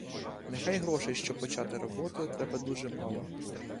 Нехай грошей, щоб почати роботу, треба дуже мало.